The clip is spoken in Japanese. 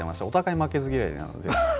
お互い、負けず嫌いなので。